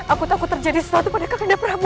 aku takut terjadi sesuatu pada kakande prabu